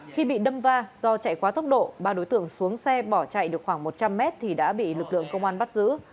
khi bị đâm va do chạy quá tốc độ ba đối tượng xuống xe bỏ chạy được khoảng một trăm linh mét thì đã bị lực lượng công an bắt giữ